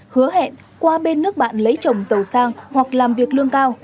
hứa hẹn qua bên nước bạn lấy chồng giàu sang hoặc làm việc lương cao